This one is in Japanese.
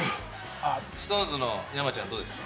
ＳｉｘＴＯＮＥＳの山ちゃん、どうですか？